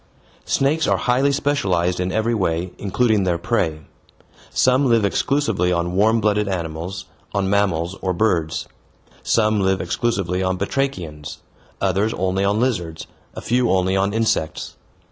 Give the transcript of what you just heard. Snakes are highly specialized in every way, including their prey. Some live exclusively on warm blooded animals, on mammals, or birds. Some live exclusively on batrachians, others only on lizards, a few only on insects.